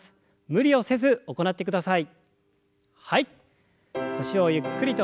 無理をせず行ってください。